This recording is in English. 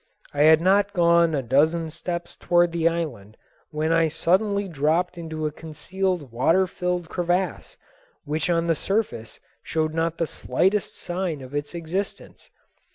I had not gone a dozen steps toward the island when I suddenly dropped into a concealed water filled crevasse, which on the surface showed not the slightest sign of its existence.